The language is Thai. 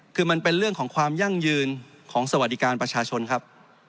คือมันเป็นเรื่องของความยั่งยืนของสวัสดิการประชาชนครับ